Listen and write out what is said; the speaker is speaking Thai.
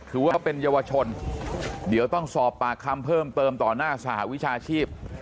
ถือว่าเป็นเยาวชนเดี๋ยวต้องสอบปากคำเพิ่มเติมต่อหน้าสหวิชาชีพ